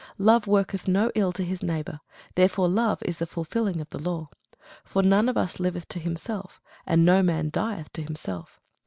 Love worketh no ill to his neighbour: therefore love is the fulfilling of the law. For none of us liveth to himself, and no man dieth to himself.